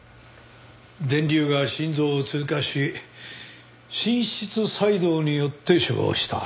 電流が心臓を通過し心室細動によって死亡した。